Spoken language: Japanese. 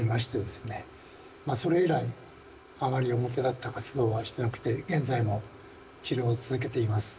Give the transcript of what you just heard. それ以来あまり表立った活動はしてなくて現在も治療を続けています。